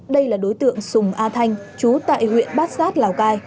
đây là đối tượng sùng a thanh chú tại huyện bát sát lào cai